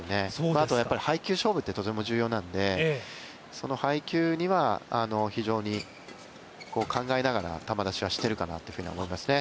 あとは、配球勝負ってとても重要なんでその配球には非常に考えながら、球出しはしてるかなと思いますね。